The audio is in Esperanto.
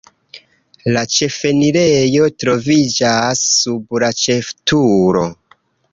La ĉefenirejo troviĝas sub la ĉefturo.